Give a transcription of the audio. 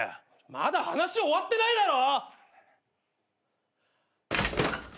まだ話終わってないだろ！